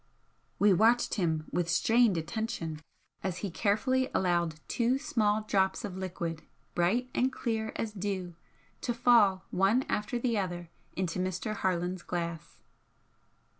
We watched him with strained attention as he carefully allowed two small drops of liquid, bright and clear as dew to fall one after the other into Mr. Harland's glass.